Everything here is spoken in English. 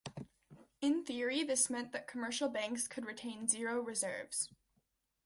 In theory this meant that commercial banks could retain zero reserves.